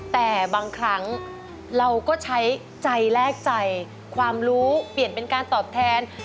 แต่บางครั้งเราก็ใช้ใจแลกใจความรู้เปลี่ยนเป็นการตอบแทน